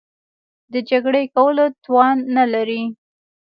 د جګړې کولو توان نه لري.